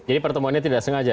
jadi pertemuannya tidak sengaja